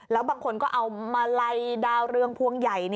แล้วบางคนก็เอามาลัยดาวเรืองพวงใหญ่